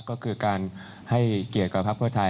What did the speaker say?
ก็คือการให้เกียรติกับพระพุทธทาย